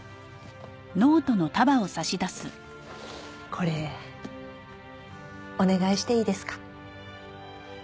これお願いしていいですか？